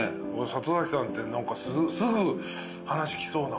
里崎さんってすぐ話来そうな。